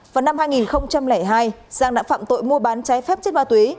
vào năm hai nghìn hai giang đã phạm tội mô bán cháy phép chất ma túy